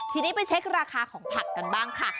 ทีนี้ไปเช็คราคาของผักกันบ้างค่ะ